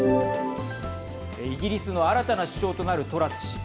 イギリスの新たな首相となるトラス氏。